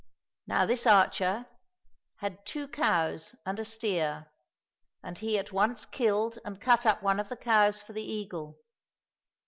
Now this archer had two cows and a steer, and he at once killed and cut up one of the cows for the eagle.